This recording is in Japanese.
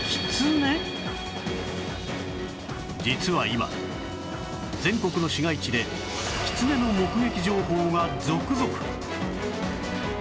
実は今全国の市街地でキツネの目撃情報が続々